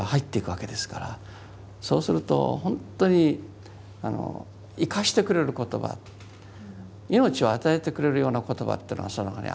そうすると本当に生かしてくれる言葉命を与えてくれるような言葉っていうのはその中にあるように思いました。